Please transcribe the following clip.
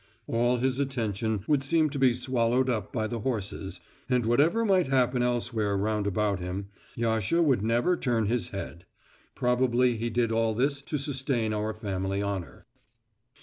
All his attention would seem to be swallowed up by the horses, and whatever might happen elsewhere round about him, Yasha would never turn his head. Probably he did all this to sustain our family honour.